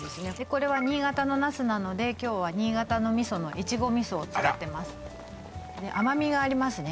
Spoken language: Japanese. これは新潟のナスなので今日は新潟の味噌の越後味噌を使ってます甘味がありますね